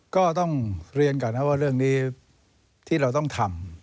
ก็ต้องเรียนก่อนนะว่าเรื่องนี้ที่เราต้องทำ